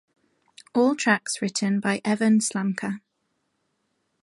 All tracks written by Evan Slamka.